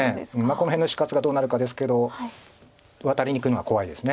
この辺の死活がどうなるかですけどワタりにいくのは怖いです。